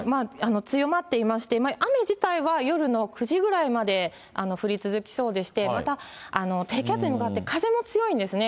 強まっていまして、雨自体は夜の９時ぐらいまで降り続きそうでして、また低気圧に向かって風も強いんですね。